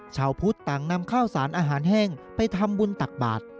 ชาวพุทธต่างนำข้าวสารอาหารแห้งไปทำบุญตักบาท